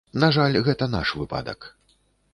На жаль, гэта наш выпадак.